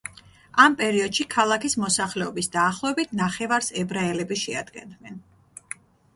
ამ პერიოდში, ქალაქის მოსახლეობის დაახლოებით ნახევარს ებრაელები შეადგენდნენ.